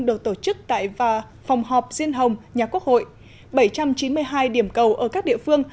được tổ chức tại phòng họp diên hồng nhà quốc hội bảy trăm chín mươi hai điểm cầu ở các địa phương